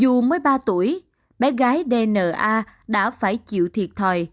dù mới ba tuổi bé gái d n a đã phải chịu thiệt thòi